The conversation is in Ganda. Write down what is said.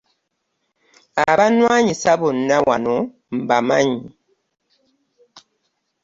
Abannwanyisa bonna wano mbamanyi.